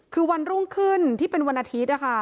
คือวันรุ่งขึ้นที่เป็นวันอาทิตย์